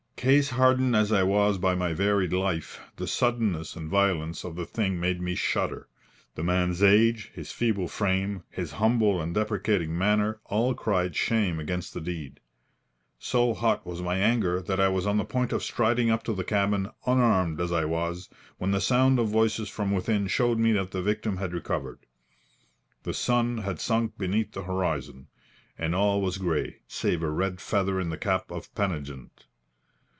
Case hardened as I was by my varied life, the suddenness and violence of the thing made me shudder. The man's age, his feeble frame, his humble and deprecating manner, all cried shame against the deed. So hot was my anger, that I was on the point of striding up to the cabin, unarmed as I was, when the sound of voices from within showed me that the victim had recovered. The sun had sunk beneath the horizon, and all was grey, save a red feather in the cap of Pennigent.